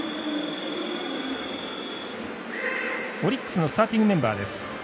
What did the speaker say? オリックスのスターティングメンバーです。